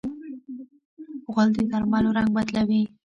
غول د درملو رنګ بدلوي.